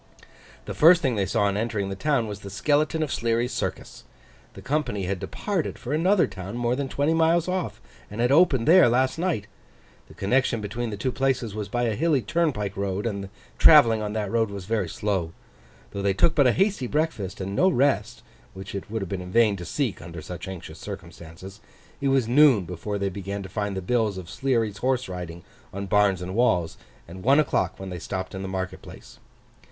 The first thing they saw on entering the town was the skeleton of Sleary's Circus. The company had departed for another town more than twenty miles off, and had opened there last night. The connection between the two places was by a hilly turnpike road, and the travelling on that road was very slow. Though they took but a hasty breakfast, and no rest (which it would have been in vain to seek under such anxious circumstances), it was noon before they began to find the bills of Sleary's Horse riding on barns and walls, and one o'clock when they stopped in the market place.